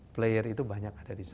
player itu banyak ada di sana